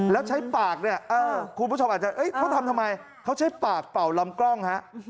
แล้วใช้ปากเขาทำทำไมเขาใช้ปากเป่าลำกล้อง